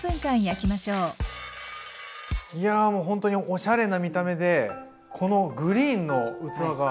いやもうほんとにおしゃれな見た目でこのグリーンの器が。